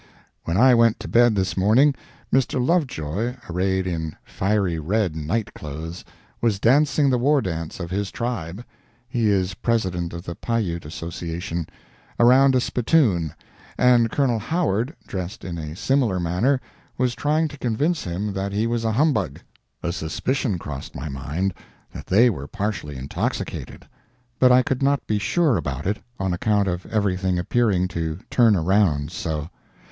When I went to bed this morning, Mr. Lovejoy, arrayed in fiery red night clothes, was dancing the war dance of his tribe (he is President of the Paiute Association) around a spittoon and Colonel Howard, dressed in a similar manner, was trying to convince him that he was a humbug. A suspicion crossed my mind that they were partially intoxicated, but I could not be sure about it on account of everything appearing to turn around so.